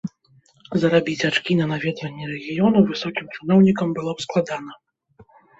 Зарабіць ачкі на наведванні рэгіёну высокім чыноўнікам было б складана.